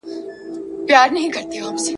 لا تر څو به د پردیو له شامته ګیله من یو ,